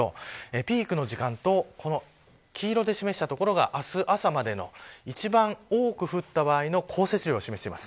ピークの時間と黄色で示した所が明日、朝までの一番多く降った場合の降雪量を示しています。